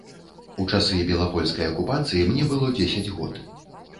У часы белапольскай акупацыі мне было дзесяць год.